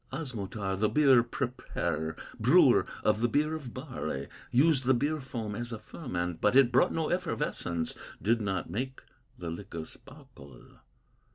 "Osmotar, the beer preparer, Brewer of the beer of barley, Used the beer foam as a ferment; But it brought no effervescence, Did not make the liquor sparkle.